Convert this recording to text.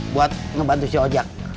buat ngebantu si ojak